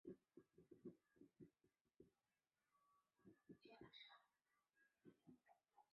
火炬松为松科松属的植物。